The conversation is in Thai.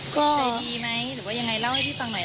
เข้าใจดีไหมหรือว่ายังไงเล่าให้พี่ฟังหน่อย